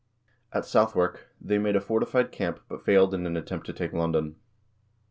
At Southwark they made a fortified camp, but failed in an attempt to take London.